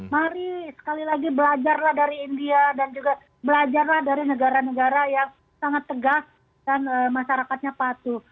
mari sekali lagi belajarlah dari india dan juga belajarlah dari negara negara yang sangat tegas dan masyarakatnya patuh